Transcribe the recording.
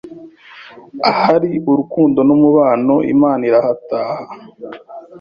Ahari urukundo n’umubano, Imana irahataha